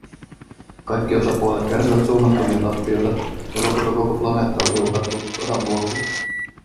Kaikki osapuolet kärsivät suunnattomia tappioita, ja lopulta koko planeetta oli uhrattu sodan vuoksi.